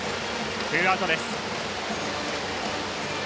ツーアウトです。